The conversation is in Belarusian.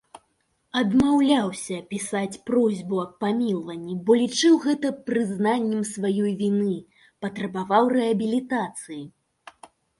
Адмаўляўся пісаць просьбу аб памілаванні, бо лічыў гэта прызнаннем сваёй віны, патрабаваў рэабілітацыі.